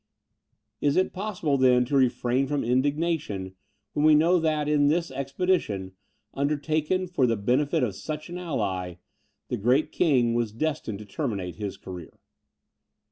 Is it possible, then, to refrain from indignation, when we know that, in this expedition, undertaken for the benefit of such an ally, the great king was destined to terminate his career?